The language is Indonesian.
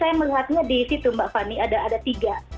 nah itu saya melihatnya disitu mbak fani ada tiga